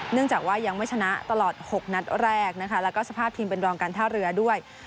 เนื่องจากว่ายังไม่ชนะตลอด๖นัดแรกนะคะแล้วก็สภาพทีมเป็นรองการท่าเรือด้วย